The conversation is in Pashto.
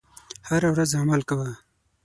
هره ورځ عمل کوه .